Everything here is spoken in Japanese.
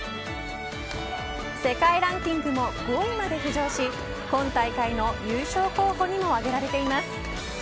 世界ランキングも５位まで浮上し今大会の優勝候補にも挙げられています。